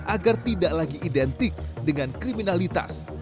agar tidak lagi identik dengan kriminalitas